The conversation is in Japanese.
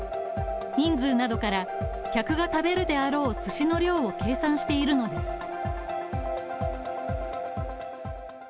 人数などから客が食べるであろうすしの量を計算しているのです。